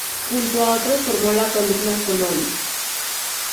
Junto a otros formó la Columna Connolly.